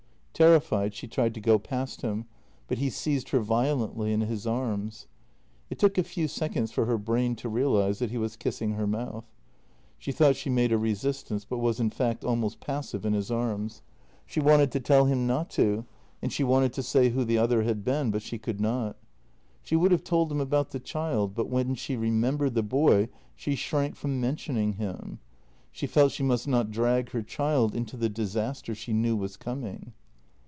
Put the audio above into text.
Terrified, she tried to go past him, but he seized her violently in his arms. It took a few seconds for her brain to realize that he was kissing her mouth. She thought she made a resistance, but was in fact almost passive in his arms. She wanted to tell him not to, and she wanted to say who the other had been, but she could not. She would have told him about the child, but when she remembered the boy she shrank from mentioning him; she felt she must not drag her child into the disaster she knew was coming.